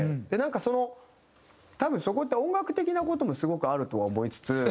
でなんかその多分そこって音楽的な事もすごくあるとは思いつつ。